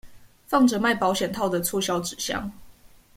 放著賣保險套的促銷紙箱